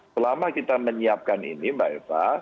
selama kita menyiapkan ini mbak eva